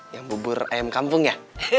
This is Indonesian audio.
yang bubur ayam kampung ya